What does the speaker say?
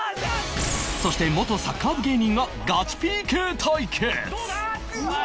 そして元サッカー部芸人がガチ ＰＫ 対決！